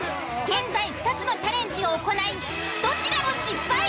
現在２つのチャレンジを行いどちらも失敗。